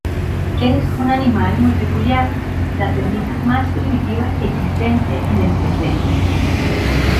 Es un animal muy peculiar, la termita más primitiva existente en el presente.